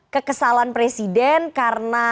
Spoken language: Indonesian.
kekesalan presiden karena